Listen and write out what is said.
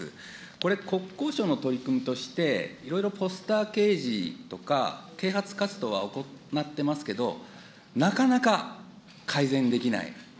これ、国交省の取り組みとして、いろいろポスター掲示とか、啓発活動は行ってますけど、なかなか改善できない。